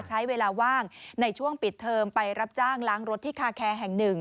ใช้เวลาว่างในช่วงปิดเทอมไปรับจ้างล้างรถที่คาแคร์แห่งหนึ่ง